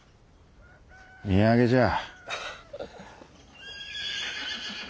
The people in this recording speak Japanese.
土産じゃ。